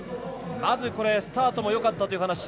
まずスタートもよかったという話。